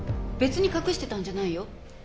別に隠してたんじゃないよ。